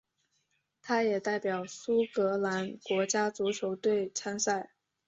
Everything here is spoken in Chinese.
他也代表苏格兰国家足球队参赛。